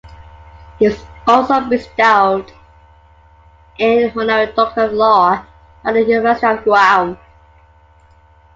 He was also bestowed an Honorary Doctor of Law by the University of Guam.